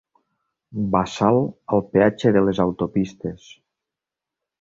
Bassal al peatge de les autopistes.